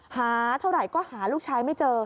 หาเท่าไหร่ก็หาลูกชายไม่เจอ